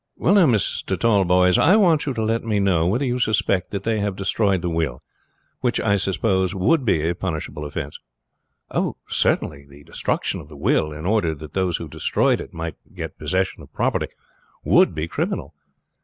"Well, now, Mr. Tallboys, I want you to let me know whether you suspect that they have destroyed the will; which, I suppose, would be a punishable offense." "Certainly the destruction of the will, in order that those who destroyed might get possession of property, would be criminal.